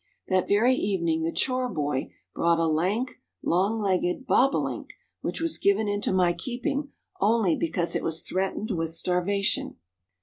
That very evening the chore boy brought a lank, long legged bobolink which was given into my keeping only because it was threatened with starvation.